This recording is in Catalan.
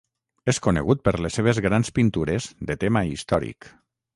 És conegut per les seves grans pintures de tema històric.